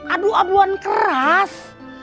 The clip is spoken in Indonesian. aduh abuan keras